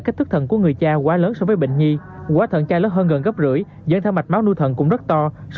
các phương án tốt nhất cho ca phẫu thuật